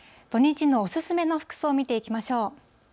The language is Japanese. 土日のお勧めの服装を見ていきましょう。